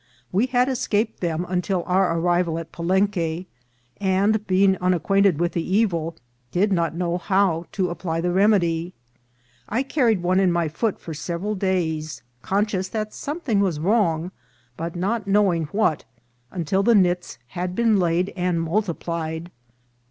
We had escaped them until our arrival at Palenque, and being unacquainted with the evil, did not know how to apply the remedy. I carried one in my foot for sever al days, conscious that something was wrong, but not knowing what, until the nits had been laid and multi plied.